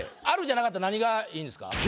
「ある」じゃなかったら何がいいんですか？